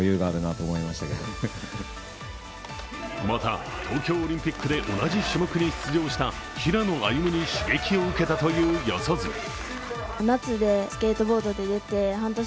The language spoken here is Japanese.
また東京オリンピックで同じ種目に出場した平野歩夢に刺激を受けたという四十住。